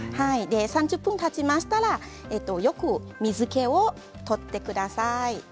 ３０分たちましたらよく水けを取ってください。